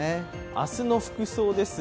明日の服装です。